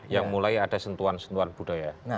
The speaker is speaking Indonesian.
yang mulai ada sentuhan sentuhan budaya